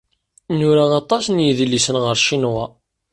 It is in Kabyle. Nura aṭas n yidlisen ɣef Ccinwa.